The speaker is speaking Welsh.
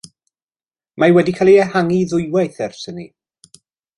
Mae wedi cael ei ehangu ddwywaith ers hynny.